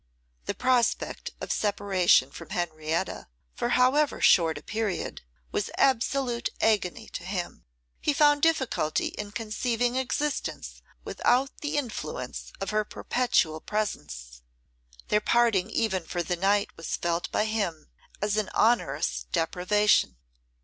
The prospect of separation from Henrietta, for however short a period, was absolute agony to him; he found difficulty in conceiving existence without the influence of her perpetual presence: their parting even for the night was felt by him as an onerous deprivation.